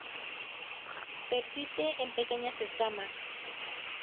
Persiste en pequeñas escamas.